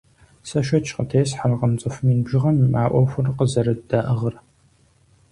Сэ шэч къытесхьэркъым цӀыху мин бжыгъэхэм а Ӏуэхур къызэрыддаӀыгъыр.